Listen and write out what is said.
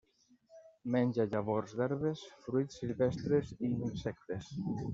Menja llavors d'herbes, fruits silvestres i insectes.